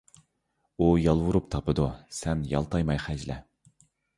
ئۇ يالۋۇرۇپ تاپىدۇ، سەن يالتايماي خەجلە!